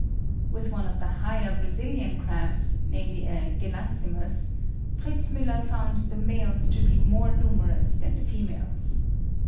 With one of the higher Brazilian crabs, namely a Gelasimus, Fritz Müller found the males to be more numerous than the females.